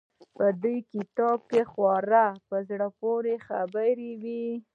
په دې کتاب کښې خورا په زړه پورې خبرې وې.